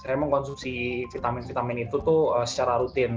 saya mengonsumsi vitamin vitamin itu secara rutin